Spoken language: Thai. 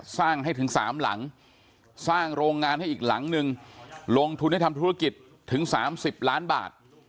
สร้างให้ถึง๓หลังสร้างโรงงานให้อีกหลังนึงลงทุนให้ทำธุรกิจถึง๓๐ล้านบาท